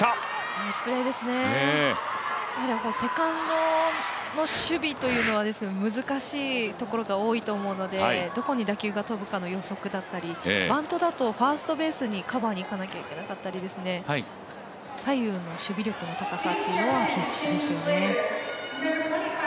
ナイスプレーですねセカンドの守備というのは難しいところが多いと思うのでどこに打球が飛ぶかの予測だったりバントだと、ファーストベースにカバーにいかなきゃいけなかったり左右の守備力の高さというのは必須ですね。